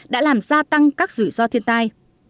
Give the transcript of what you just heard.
đã làm gia tăng các rủi ro thiên tai